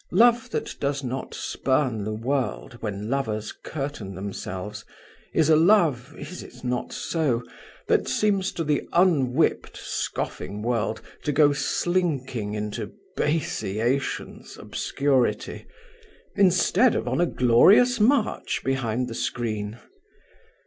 Love that does not spurn the world when lovers curtain themselves is a love is it not so? that seems to the unwhipped, scoffing world to go slinking into basiation's obscurity, instead of on a glorious march behind the screen.